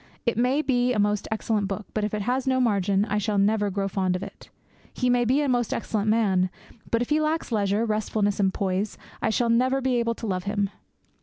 It may be a most excellent book; but if it has no margin, I shall never grow fond of it. He may be a most excellent man; but if he lacks leisure, restfulness, poise, I shall never be able to love him.